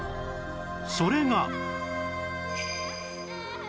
それが